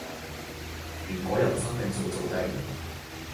如果人生定數早定